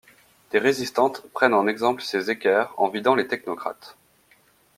Des résistantes prennent en exemple ces équerres en vidant les technocrates.